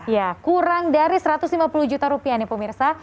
ya kurang dari satu ratus lima puluh juta rupiah nih pemirsa